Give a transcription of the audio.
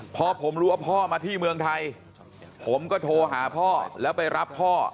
พอผมรู้ว่าพ่อมาที่เมืองไทยผมก็โทรหาพ่อแล้วไปรับพ่อ